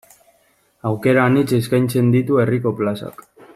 Aukera anitz eskaintzen ditu herriko plazak.